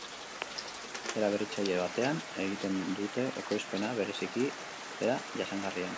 Era berritzaile batean egiten dute ekoizpena, bereziki, era jasangarrian.